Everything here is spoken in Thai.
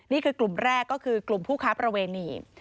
นี่คือกลุ่มแรกก็คือกลุ่มผู้ค้าประเวณี